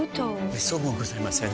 めっそうもございません。